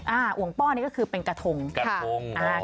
ห่วงป้อนี่ก็คือเป็นกระทงกระทงอ่า